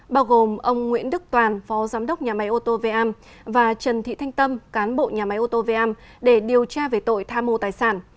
bao gồm ông nguyễn đức toàn phó giám đốc nhà máy ô tô vam và trần thị thanh tâm cán bộ nhà máy ô tô vam để điều tra về tội tha mô tài sản